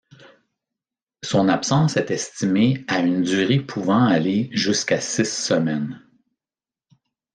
Son absence est estimée à une durée pouvant aller jusqu'à six semaines.